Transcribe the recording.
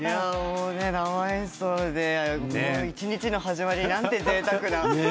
生演奏で一日の始まりがすごくぜいたくな。